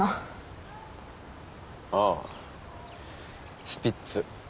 ああスピッツ。